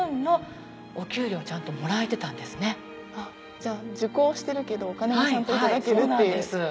じゃあ受講してるけどお金もちゃんと頂けるっていう。